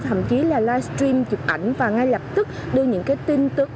thậm chí là live stream chụp ảnh và ngay lập tức đưa những tin tức